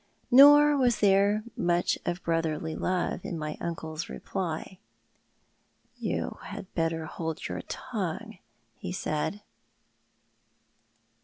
Nor was there much of brotherly love in my uncle's reply. '' You had better hold your tongue," he said.